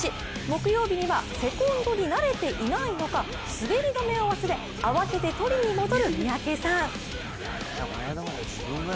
木曜日にはセコンドに慣れていないのか、滑り止めを忘れ慌てて取りに戻る三宅さん。